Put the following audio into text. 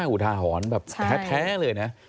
อุทาหอนแท้เลยนะ